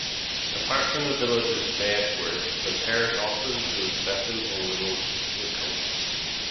Apart from the village of Badgeworth the parish also includes Bentham and Little Witcombe.